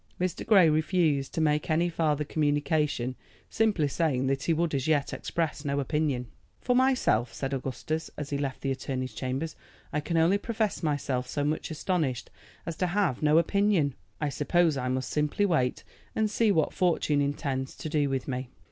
Mr. Grey refused to make any farther communication, simply saying that he would as yet express no opinion. "For myself," said Augustus, as he left the attorney's chambers, "I can only profess myself so much astonished as to have no opinion. I suppose I must simply wait and see what Fortune intends to do with me."